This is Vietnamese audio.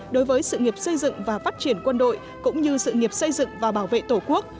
đối với sự nghiệp xây dựng và phát triển quân đội cũng như sự nghiệp xây dựng và bảo vệ tổ quốc